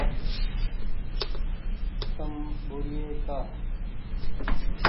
تم ٻولئي ڪآ ۔